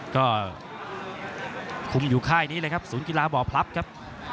ก็คุมอยู่ค่ายนี้เลยครับศูนย์กีฬาบ่อพลับครับ